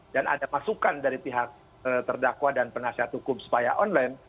dan ada masukan dari pihak terdakwa dan penasihat hukum supaya online